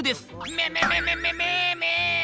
めめめめめめめ！